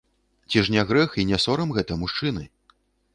Цi ж не грэх i не сорам гэта, мужчыны?